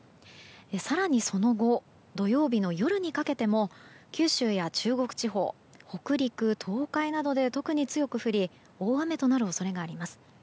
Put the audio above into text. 更に、その後土曜日の夜にかけても九州や中国地方北陸、東海などで特に強く降り大雨となる恐れがあります。